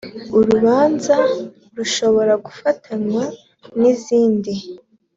urubanza rushobora gufatanywa n’izindi